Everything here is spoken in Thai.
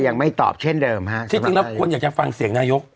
ยังไม่ตอบเช่นเดิมฮะที่จริงแล้วคนอยากจะฟังเสียงนายก